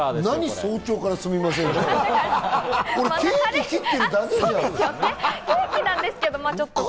早朝からすみませんって。